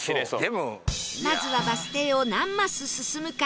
まずはバス停を何マス進むか